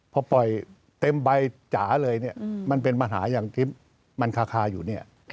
พอปล่อยเต็มใบจ๋าเลยเนี่ยมันเป็นมหาอย่างที่มันคาอยู่เนี่ย